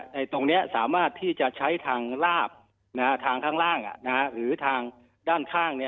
ตรงนี้สามารถที่จะใช้ทางลาบทางข้างล่างหรือทางด้านข้าง